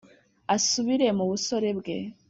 Asubire mu busore bwe